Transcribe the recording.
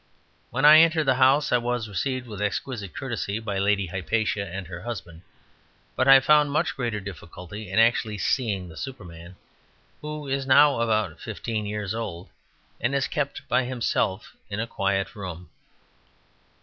When I entered the house I was received with exquisite courtesy by Lady Hypatia and her husband; but I found much greater difficulty in actually seeing the Superman, who is now about fifteen years old, and is kept by himself in a quiet room.